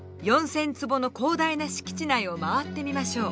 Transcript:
４，０００坪の広大な敷地内を回ってみましょう。